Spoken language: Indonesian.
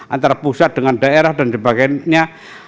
antara pusat dengan daerah dan sebagainya